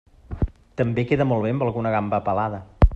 També queda molt bé amb alguna gamba pelada.